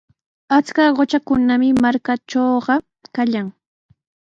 Achka qutrakunami markaatrawqa kallan.